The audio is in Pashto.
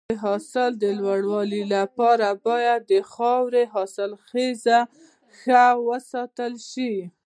د حاصل د لوړوالي لپاره باید د خاورې حاصلخیزي ښه وساتل شي.